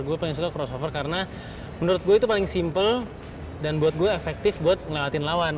gue paling suka crossover karena menurut gue itu paling simple dan buat gue efektif buat ngelewatin lawan